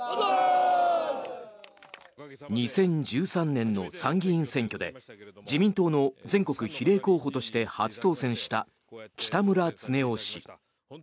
２０１３年の参議院選挙で自民党の全国比例候補として初当選した北村経夫氏。